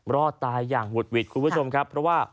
รอดตายอย่างหุดหวิดคุณผู้ชมครับเพราะว่า